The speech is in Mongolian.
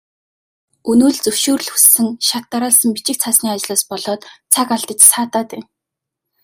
Өнөө л зөвшөөрөл хүссэн шат дараалсан бичиг цаасны ажлаас болоод цаг алдаж саатаад байна.